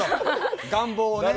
願望をね。